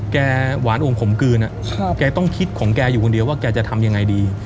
หวานองขมกลืนแกต้องคิดของแกอยู่คนเดียวว่าแกจะทำยังไงดี